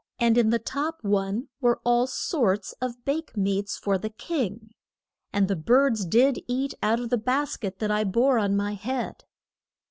And in the top one were all sorts of bake meats for the king. And the birds did eat out of the bas ket that I bore on my head.